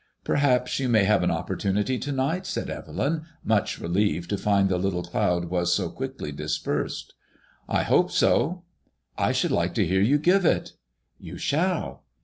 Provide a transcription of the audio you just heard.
" Perhaps you may have an op portunity to night," said Evelyn, much relieved to find the little cloud was so quickly dispersed. " I hope so." '' I should like to hear you give it." " You shall."